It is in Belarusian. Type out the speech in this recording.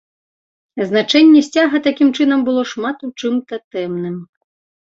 Значэнне сцяга, такім чынам, было шмат у чым татэмным.